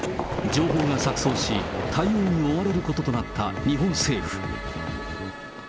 情報が錯綜し、対応に追われることとなった日本政府。